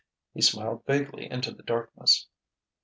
He smiled vaguely into the darkness.